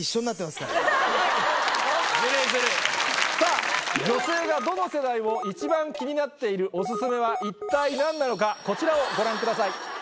・ずるいずるい・さぁ女性がどの世代も一番気になっているオススメは一体何なのかこちらをご覧ください。